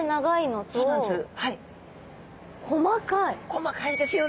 こまかいですよね。